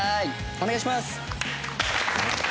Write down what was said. お願いします！